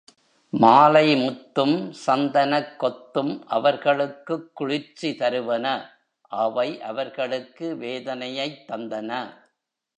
மாலை முத்தும், சந்தனக் கொத்தும் அவர்களுக்குக் குளிர்ச்சி தருவன அவை அவர்களுக்கு வேதனையைத் தந்தன.